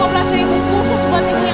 berapa waktu ke mana kita berstjosh semua